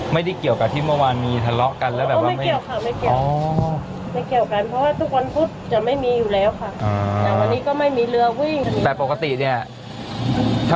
ไม่ได้เกี่ยวกับที่เมื่อวานมีทะเลาะกันแล้วแบบว่า